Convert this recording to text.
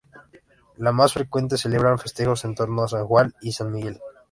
Las más frecuentes celebran festejos en torno a San Juan y San Miguel.